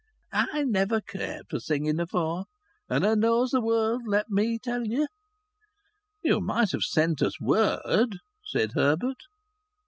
I never cared for singing afore. And her knows the world, let me tell ye." "You might have sent us word," said Herbert.